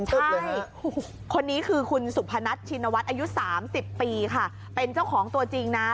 ซึ่งคนนี้คือคุณสุพนัทชินวัฒน์อายุ๓๐ปีค่ะเป็นเจ้าของตัวจริงนะ